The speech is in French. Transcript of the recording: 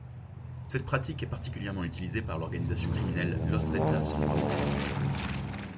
Cette pratique est particulièrement utilisée par l'organisation criminelle Los Zetas au Mexique.